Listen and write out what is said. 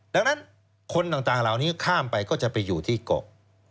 ดังนั้นคนต่างเหล่านี้ข้ามไปก็จะไปอยู่ที่เกาะ